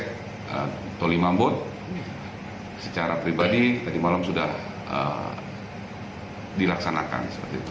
kapolsek tolimambot secara pribadi tadi malam sudah dilaksanakan